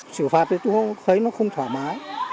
sử phạt tôi thấy nó không thoải mái